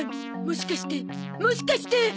もしかしてもしかして！